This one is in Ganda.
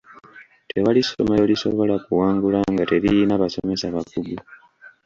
Tewali ssomero lisobola kuwangula nga teriyina basomesa bakugu.